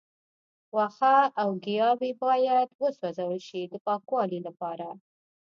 وښه او ګیاوې باید وسوځول شي د پاکوالي لپاره.